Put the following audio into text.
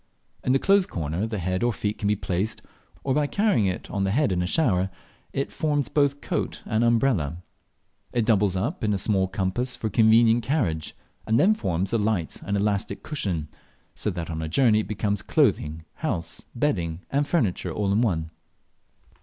In the closed corner the head or feet can be placed, or by carrying it on the head in a shower it forms both coat and umbrella. It doubles up ix a small compass for convenient carriage, and then forms a light and elastic cushion, so that on a journey it becomes clothing, house, bedding, and furniture, all in one.